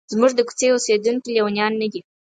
زموږ د کوڅې اوسیدونکي لیونیان نه دي.